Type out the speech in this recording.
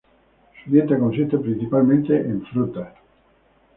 Su dieta consiste principalmente de frutas.